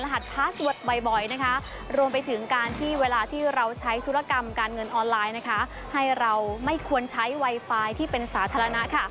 ให้เราไม่ควรใช้ไวไฟที่เป็นสาธารณะ